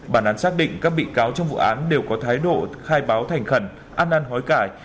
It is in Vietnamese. bản án xác định các bị cáo trong vụ án đều có thái độ khai báo thành khẩn ăn năn hối cải